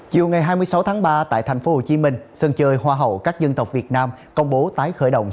chiều ngày hai mươi sáu tháng ba tại thành phố hồ chí minh sân chơi hoa hậu các dân tộc việt nam công bố tái khởi động